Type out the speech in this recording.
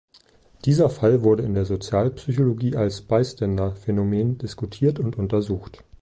Dieser Fall wurde in der Sozialpsychologie als „bystander“-Phänomen diskutiert und untersucht.